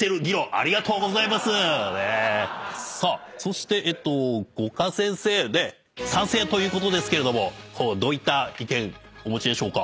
さあそして五箇先生賛成ということですけれどもどういった意見お持ちでしょうか？